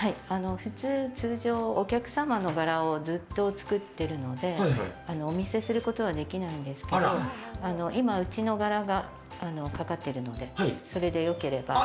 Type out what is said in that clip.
通常、お客様の柄をずっと作っているのでお見せすることはできないんですけど今、うちの柄がかかってるのでそれでよければ。